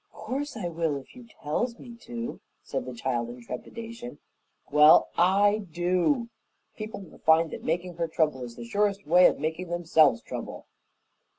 "'Course I will, if you tells me to," said the child in trepidation. "Well, I DO. People will find that making her trouble is the surest way of making themselves trouble."